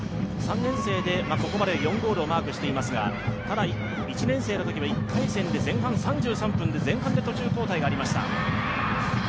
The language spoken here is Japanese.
３年生でここまで４ゴールをマークしていますが、ただ、１年生のときは１回戦で、前半３３分で前半で途中交代がありました。